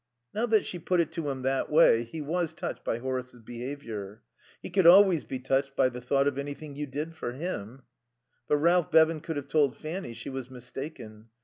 Now that she put it to him that way he was touched by Horace's behaviour. He could always be touched by the thought of anything you did for him. But Ralph Bevan could have told Fanny she was mistaken.